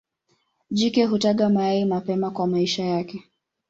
Jike hutaga mayai mapema kwa maisha yake.